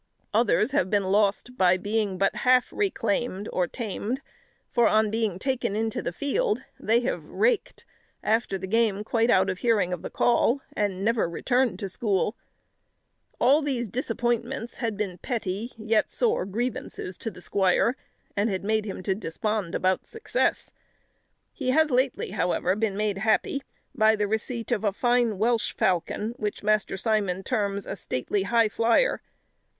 Others have been lost by being but half "reclaimed," or tamed; for on being taken into the field, they have "raked," after the game quite out of hearing of the call, and never returned to school. All these disappointments had been petty, yet sore grievances to the squire, and had made him to despond about success. He has lately, however, been made happy by the receipt of a fine Welsh falcon, which Master Simon terms a stately highflyer.